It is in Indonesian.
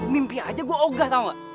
mimpi aja gue ogah tau gak